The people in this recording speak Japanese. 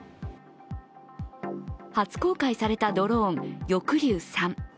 初公開されたドローン、翼竜３。